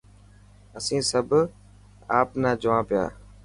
اسين سڀ آپ نا جوا پيا.